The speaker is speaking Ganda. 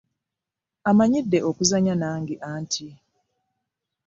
Amanyidde okuzannya nange anti.